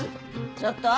ちょっと！